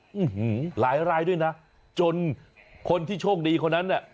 หลายรายด้วยนะจนคนที่โชคดีคนนั้นเนี่ย